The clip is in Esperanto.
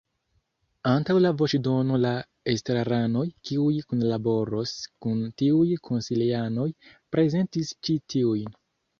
Antaŭ la voĉdono la estraranoj, kiuj kunlaboros kun tiuj konsilianoj, prezentis ĉi tiujn.